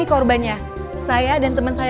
aku sudah kekejar